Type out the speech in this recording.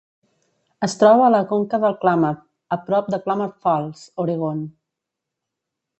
Es troba a la conca del Klamath, a prop de Klamath Falls, Oregon.